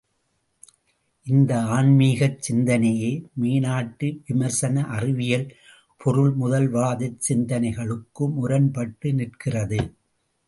இந்த ஆன்மீகச் சிந்தனையே, மேநாட்டு விமர்சன அறிவியல், பொருள்முதல்வாதச் சிந்தனைகளுக்கு முரண்பட்டு நிற்கிறது.